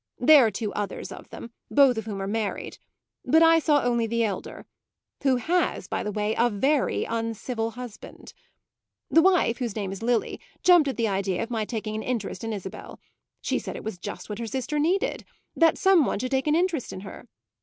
There are two others of them, both of whom are married; but I saw only the elder, who has, by the way, a very uncivil husband. The wife, whose name is Lily, jumped at the idea of my taking an interest in Isabel; she said it was just what her sister needed that some one should take an interest in her.